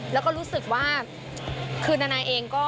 แล้วก็รู้สึกว่าคือนานาเองก็